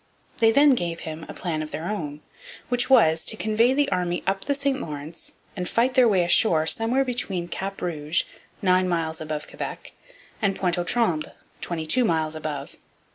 They then gave him a plan of their own, which was, to convey the army up the St Lawrence and fight their way ashore somewhere between Cap Rouge, nine miles above Quebec, and Pointe aux Trembles, twenty two miles above.